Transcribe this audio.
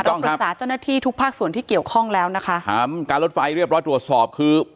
ปรึกษาเจ้าหน้าที่ทุกภาคส่วนที่เกี่ยวข้องแล้วนะคะถามการรถไฟเรียบร้อยตรวจสอบคือ